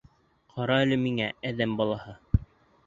Ҡара әле миңә, әҙәм балаһы.